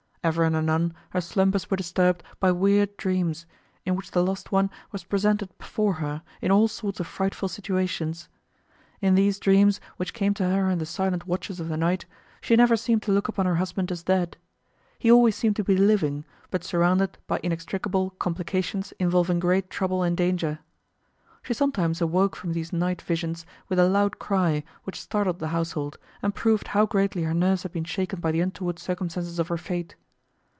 Ever and anon her slumbers were disturbed by weird dreams, in which the lost one was presented before her in all sorts of frightful situations. In these dreams which came to her in the silent watches of the night, she never seemed to look upon her husband as dead. He always seemed to be living, but surrounded by inextricable complications involving great trouble and danger. She sometimes awoke from these night visions with a loud cry which startled the household, and proved how greatly her nerves had been shaken by the untoward circumstances of her fate.